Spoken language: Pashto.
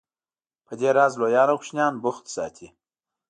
په دې راز لویان او کوشنیان بوخت ساتي.